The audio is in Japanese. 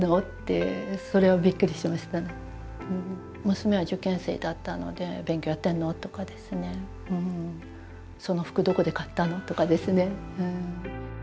娘は受験生だったので「勉強やってんの？」とかですね「その服どこで買ったの？」とかですね。